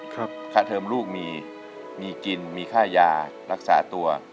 ค่าเทอมลูกมีมีกินมีค่ายารักษาตัว